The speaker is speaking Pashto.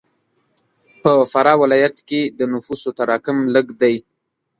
په فراه ولایت کښې د نفوس تراکم لږ دی.